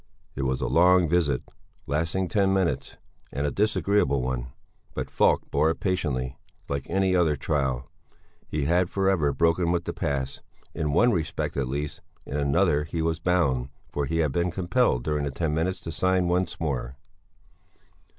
It was a long visit, lasting ten minutes, and a disagreeable one; but Falk bore it patiently, like any other trial; he had for ever broken with the past; in one respect at least; in another he was bound, for he had been compelled during the ten minutes to sign once more.